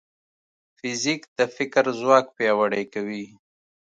فزیک د فکر ځواک پیاوړی کوي.